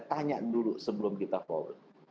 tanya dulu sebelum kita for